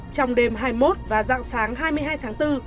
trong đêm hai mươi một và dặn sáng hai mươi hai tháng chín